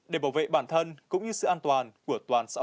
để bảo vệ bản thân cũng như sự an toàn của toàn xã hội